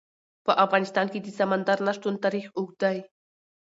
په افغانستان کې د سمندر نه شتون تاریخ اوږد دی.